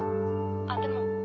あっでも。